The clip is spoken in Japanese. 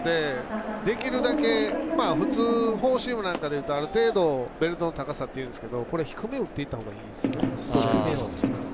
できるだけ、普通フォーシームなんかでいうとある程度ベルトの高さというんですがこれは低め打っていったほうがいいですね。